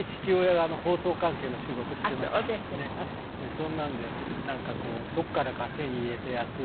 そんなんでなんかこうどこからか手に入れたやつを。